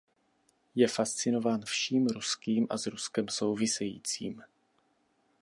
Je fascinován vším ruským a s Ruskem souvisejícím.